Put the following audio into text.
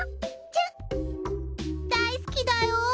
大好きよ